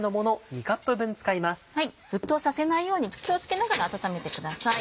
沸騰させないように気を付けながら温めてください。